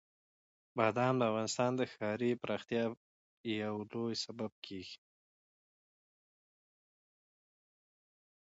بادام د افغانستان د ښاري پراختیا یو لوی سبب کېږي.